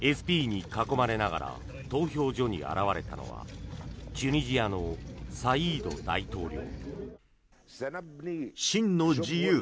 ＳＰに囲まれながら投票所に現れたのはチュニジアのサイード大統領。